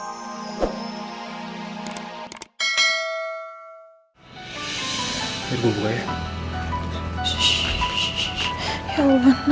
assalamualaikum warahmatullahi wabarakatuh